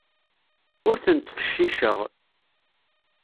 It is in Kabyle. Ur ten-ttfecciceɣ.